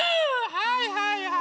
はいはいはい。